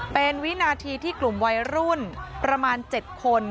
เป็นวินาทีที่กลุ่มวัยรุ่นประมาณ๗คน